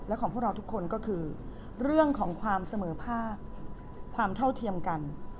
และของพวกเราทุกคนก็คือเรื่องของความเสมอภาคความเท่าเทียมกัน